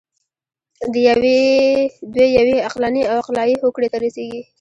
دوی یوې عقلاني او عقلایي هوکړې ته رسیږي.